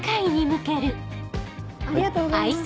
ありがとうございます